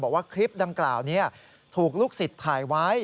บอกว่าคลิปดังกล่าวนี้ถูกลูกศิษย์ถ่ายไว้